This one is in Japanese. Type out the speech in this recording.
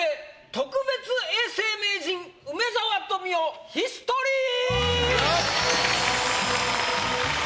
特別永世名人梅沢富美男ヒストリー」。